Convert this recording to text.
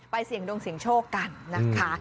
ไปสิงห์ดงสิงห์โชคกันนะคะ